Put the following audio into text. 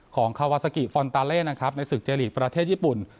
ของคาวาซากิฟอนตาเล่นะครับในศึกเจลีกประเทศญี่ปุ่น